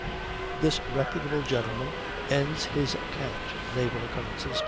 This reputable gentleman ends his account ("Naval Occurrences," p.